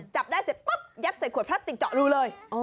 จับได้เสร็จปุ๊บยัดใส่ขวดพลาสติกเจาะรูเลย